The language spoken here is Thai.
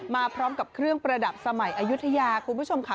มาพร้อมกับเครื่องประดับสมัยอายุทยาคุณผู้ชมค่ะ